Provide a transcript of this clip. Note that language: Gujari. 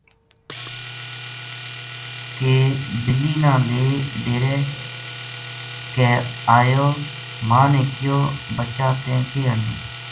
کے بِلی نا لے ڈیرے کے اَیو ماں نے کہیو "بچا تیں کے آنیو